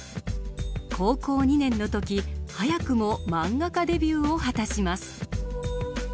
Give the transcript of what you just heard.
高校２年の時早くもマンガ家デビューを果たします。